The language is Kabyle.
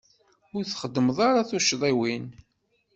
Ur txeddmeḍ ara tuccḍiwin.